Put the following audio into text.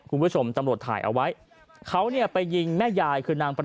คุณผู้ชมตำรวจถ่ายเอาไว้เขาเนี่ยไปยิงแม่ยายคือนางประ